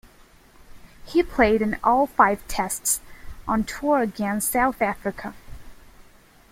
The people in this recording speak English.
He played in all five Tests on tour against South Africa.